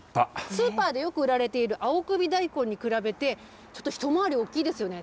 スーパーでよく売られている青首大根に比べて、ちょっと一回り大きいですよね。